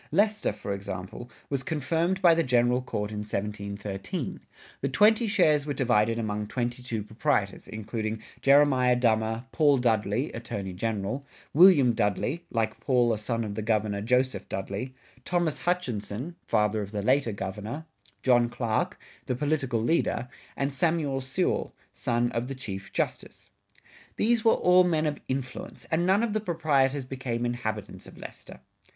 Leicester, for example, was confirmed by the General Court in 1713. The twenty shares were divided among twenty two proprietors, including Jeremiah Dummer, Paul Dudley (Attorney General), William Dudley (like Paul a son of the Governor, Joseph Dudley), Thomas Hutchinson (father of the later Governor), John Clark (the political leader), and Samuel Sewall (son of the Chief Justice). These were all men of influence, and none of the proprietors became inhabitants of Leicester.